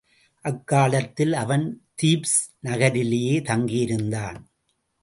அக்காலத்தில் அவன் தீப்ஸ் நகரிலே தங்கியிருந்தான்.